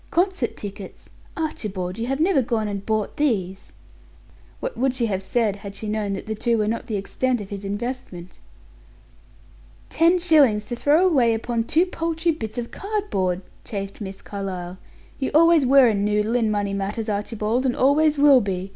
Concert tickets! Archibald, you have never gone and bought these!" What would she have said had she known that the two were not the extent of his investment? "Ten shillings to throw away upon two paltry bits of cardboard!" chafed Miss Carlyle. "You always were a noodle in money matters, Archibald, and always will be.